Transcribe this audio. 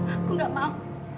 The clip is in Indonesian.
aku gak mau